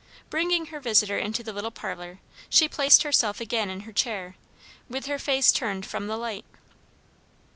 Bringing her visitor into the little parlour, she placed herself again in her chair, with her face turned from the light.